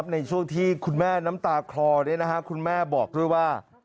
ในช่วงที่คุณแม่น้ำตาคลอคุณแม่บอกด้วยว่า